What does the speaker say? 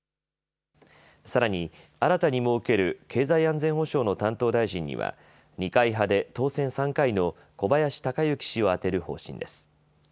さらに新たに設ける経済安全保障の担当大臣には二階派で当選３回の小林鷹之氏を充てる方針です。